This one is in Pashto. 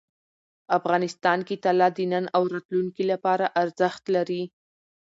افغانستان کې طلا د نن او راتلونکي لپاره ارزښت لري.